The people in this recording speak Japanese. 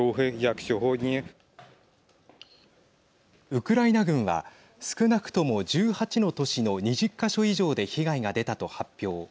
ウクライナ軍は少なくとも１８の都市の２０か所以上で被害が出たと発表。